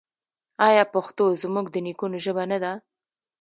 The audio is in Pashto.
آیا پښتو زموږ د نیکونو ژبه نه ده؟